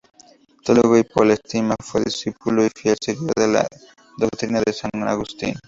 Teólogo y polemista, fue discípulo y fiel seguidor de la doctrina de San Agustín.